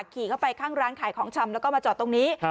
ขี่เข้าไปข้างร้านขายของชำแล้วก็มาจอดตรงนี้